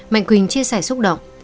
mạnh quỳnh chia sẻ xúc động